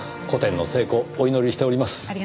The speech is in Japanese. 個展の成功お祈りしております。